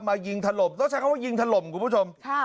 ยิงถล่มต้องใช้คำว่ายิงถล่มคุณผู้ชม